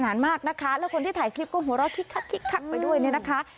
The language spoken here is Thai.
นานมากนะคะแล้วคนที่ถ่ายคลิปก็หัวเราะคิกคักไปด้วยเนี่ยนะคะ